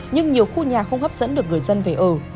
nhưng nhiều khu nhà không hấp dẫn được người dân về ở